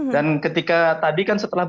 dan ketika tadi kan setelah itu